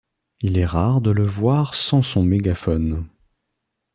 Il est rare de le voir sans son mégaphone.